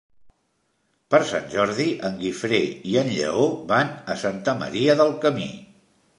Per Sant Jordi en Guifré i en Lleó van a Santa Maria del Camí.